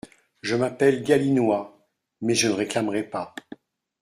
Je m’appelle Galinois… mais je ne réclamerai pas.